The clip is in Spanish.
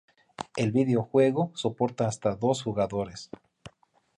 El videojuego soporta hasta dos jugadores.